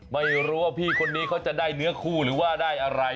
ไม่รู้ว่าพี่คนนี้เขาจะได้เนื้อคู่หรือว่าได้อะไร